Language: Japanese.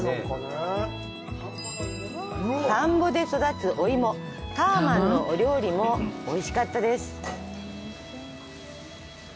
田んぼで育つお芋、ターマンのお料理もおいしかったです。